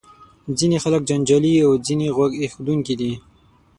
ځینې خلک جنجالي او ځینې غوږ ایښودونکي دي.